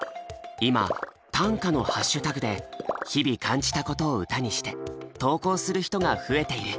今「ｔａｎｋａ」のハッシュタグで日々感じたことを歌にして投稿する人が増えている。